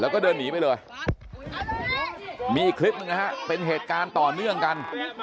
แล้วก็เดินหนีไปเลยมีคลิปหนึ่งนะฮะเป็นเหตุการณ์ต่อเนื่องกัน